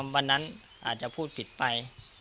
วันนั้นอาจจะพูดผิดไป